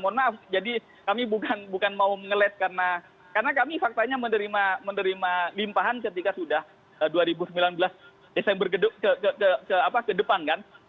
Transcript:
mohon maaf jadi kami bukan mau mengelet karena kami faktanya menerima limpahan ketika sudah dua ribu sembilan belas desember ke depan kan